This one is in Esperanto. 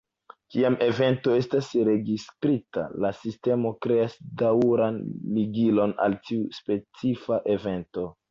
Kiam evento estas registrita, la sistemo kreas daŭran ligilon al tiu specifa evento.